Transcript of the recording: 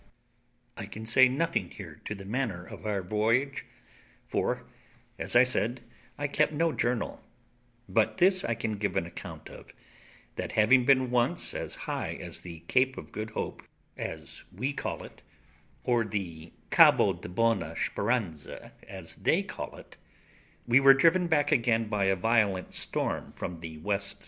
I can say nothing here to the manner of our voyage, for, as I said, I kept no journal; but this I can give an account of, that having been once as high as the Cape of Good Hope, as we call it, or Cabo de Bona Speranza, as they call it, we were driven back again by a violent storm from the W.S.